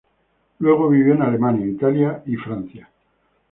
Luego vivió en Alemania, Italia y Francia.